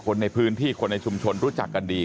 คนในพื้นที่คนในชุมชนรู้จักกันดี